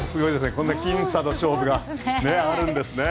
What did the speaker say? この僅差の勝負があるんですね。